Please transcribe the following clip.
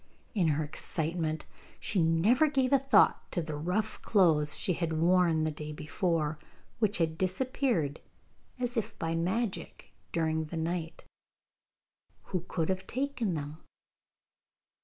In her excitement she never gave a thought to the rough clothes she had worn the day before, which had disappeared as if by magic during the night. Who could have taken them?